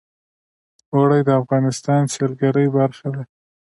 اوړي د افغانستان د سیلګرۍ برخه ده.